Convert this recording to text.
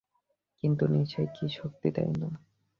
কিন্তু নেশায় কি শক্তি দেয় না?